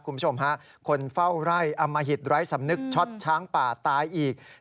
คุณผู้ชมฮะคนเฝ้าไร่อมหิตไร้สำนึกช็อตช้างป่าตายอีก